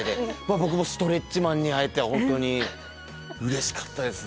僕もストレッチマンに会えて本当にうれしかったですね。